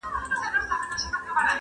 نصیب د جهاني له ستوني زور دی تښتولی-